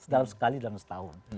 dalam sekali dalam setahun